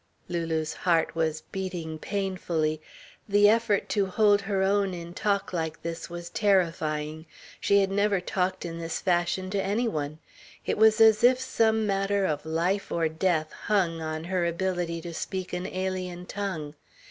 Lulu's heart was beating painfully. The effort to hold her own in talk like this was terrifying. She had never talked in this fashion to any one. It was as if some matter of life or death hung on her ability to speak an alien tongue.